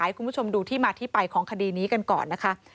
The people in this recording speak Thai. ให้คุณผู้ชมดูที่มาที่ไปของคดีนี้กันก่อนนะคะ